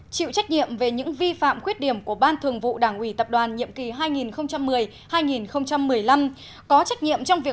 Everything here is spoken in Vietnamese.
chịu trách nhiệm về những vi phạm khuyết điểm của ban thường vụ đảng ủy tập đoàn